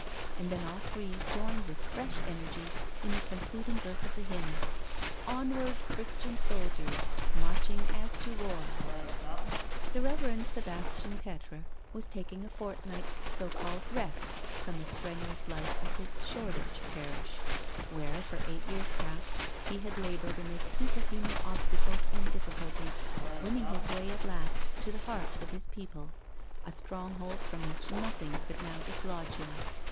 And then all three joined with fresh energy in the concluding verse of the hymn, '* Onward, Christian soldiers, marching as to war.*' The Reverend Sebastian Petre was taking a fort night's so called " rest " from the strenuous life of his Shoreditch parish, where, for eight years past, he had laboured amid superhuman obstacles and difficulties, winning his way at last to the hearts of his people — a stronghold from which nothing could now dislodge him.